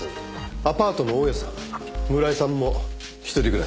アパートの大家さん村井さんも一人暮らし。